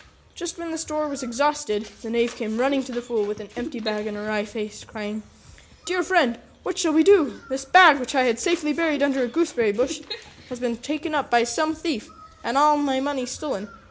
Just when the store was exhausted, the Knave came running to the Fool with an empty bag and a wry face, crying, "Dear friend, what shall we do? This bag, which I had safely buried under a gooseberry bush, has been taken up by some thief, and all my money stolen.